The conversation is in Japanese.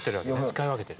使い分けてる。